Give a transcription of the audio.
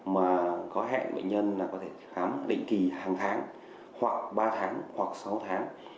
mà có hẹn bệnh nhân là có thể khám định kỳ hàng tháng hoặc ba tháng hoặc sáu tháng